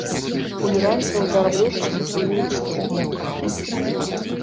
У іранцаў вярблюд асацыюецца з цмокам.